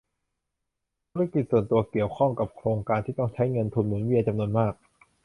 ธุรกิจส่วนตัวเกี่ยวข้องกับโครงการที่ต้องใช้เงินทุนหมุนเวียนจำนวนมาก